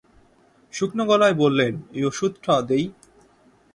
শুকনো গলায় বললেন, এই অষুধটা দিই।